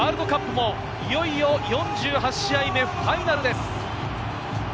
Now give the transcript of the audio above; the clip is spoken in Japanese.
ラグビーワールドカップもいよいよ４８試合目、ファイナルです。